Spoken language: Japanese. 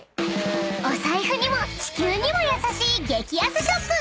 ［お財布にも地球にも優しい激安ショップ］